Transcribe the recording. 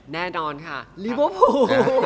แน่นอนค่ะลิเวอร์พูล